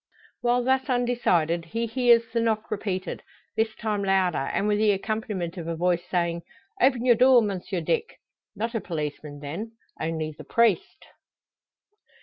While thus undecided, he hears the knock repeated; this time louder, and with the accompaniment of a voice, saying: "Open your door, Monsieur Dick." Not a policeman, then; only the priest!